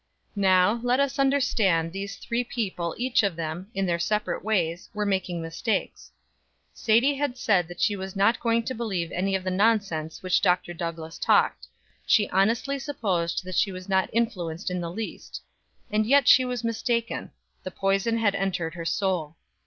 Now, let us understand these three people each of them, in their separate ways, were making mistakes. Sadie had said that she was not going to believe any of the nonsense which Dr. Douglass talked; she honestly supposed that she was not influenced in the least. And yet she was mistaken; the poison had entered her soul.